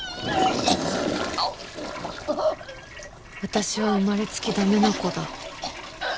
私は生まれつき駄目な子だ